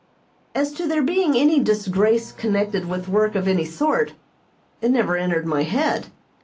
As to there being any disgrace connected with work of any sort it never entered my head.